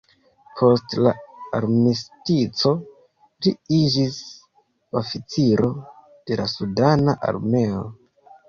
Post la armistico li iĝis oficiro de la sudana armeo.